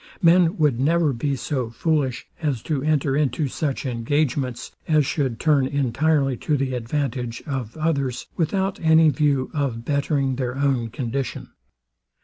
Men would never be so foolish as to enter into such engagements as should turn entirely to the advantage of others, without any view of bettering their own condition.